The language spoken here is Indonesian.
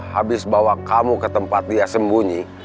habis bawa kamu ke tempat dia sembunyi